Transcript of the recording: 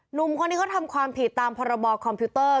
หนุ่มคนนี้เขาทำความผิดตามพรบคอมพิวเตอร์